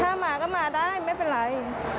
ถ้ามาก็มาได้ไม่เป็นไร